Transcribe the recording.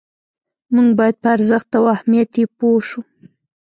موږ باید په ارزښت او اهمیت یې پوه شو.